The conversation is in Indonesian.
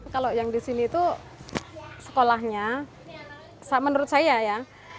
kalau yang di sini itu sekolahnya menurut saya ya